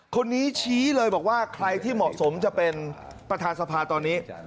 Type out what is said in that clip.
คนนี้ชี้เลยบอกว่าใครที่เหมาะสมจะเป็นประธานสภาตอนนี้